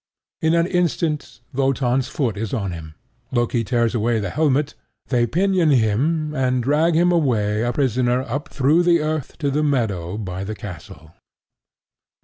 In an instant Wotan's foot is on him; Loki tears away the helmet; they pinion him, and drag him away a prisoner up through the earth to the meadow by the castle.